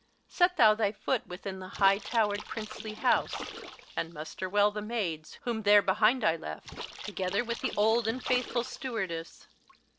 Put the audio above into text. Set thou thy foot within the high towered princely House, And muster well the maids, whom there behind I left, Together with the old and faithful Stewardess.